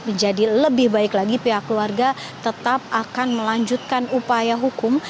menjadi lebih baik lagi pihak keluarga tetap akan melanjutkan upaya hukum